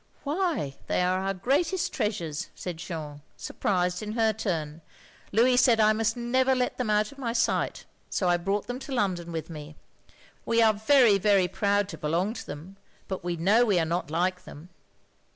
"Why, they are our greatest treasures," said Jeanne, surprised in her turn. "Louis said I must never let them out of my sight, so I brought them to London with me. We are very, very proud to belong to them, but we know we are not like them.